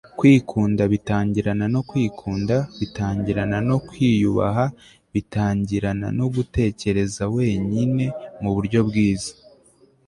kwikunda bitangirana no kwikunda, bitangirana no kwiyubaha, bitangirana no gutekereza wenyine muburyo bwiza